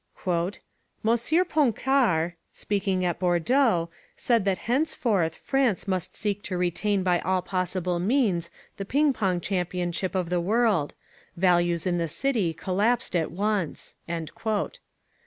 "Monsieur Poincar, speaking at Bordeaux, said that henceforth France must seek to retain by all possible means the ping pong championship of the world: values in the City collapsed at once."...